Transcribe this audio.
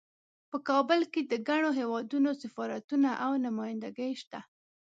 په کابل کې د ګڼو هیوادونو سفارتونه او نمایندګۍ شته